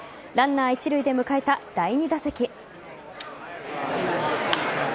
ランナー一塁で迎えた第２打席。